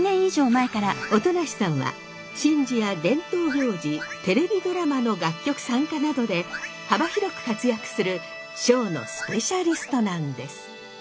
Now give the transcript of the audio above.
音無さんは神事や伝統行事テレビドラマの楽曲参加などで幅広く活躍する笙のスペシャリストなんです。